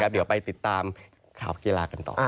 เดี๋ยวไปติดตามข่าวกีฬากันต่อ